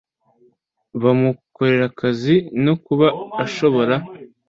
bamukorera akazi no kuba ashobora